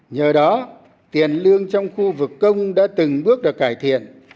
nhờ đó tiền lương trong khu vực công đã từng bước được cải thiện